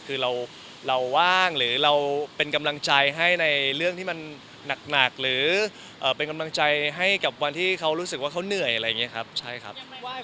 คือเราว่างหรือเราเป็นกำลังใจให้ในเรื่องที่มันหนักหรือเป็นกำลังใจให้กับวันที่เขารู้สึกว่าเขาเหนื่อยอะไรอย่างนี้ครับใช่ครับ